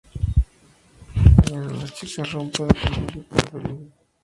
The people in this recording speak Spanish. Al final de la mañana, las chicas rompen en cansancio pero felices.